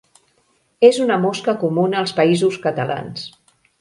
És una mosca comuna als Països Catalans.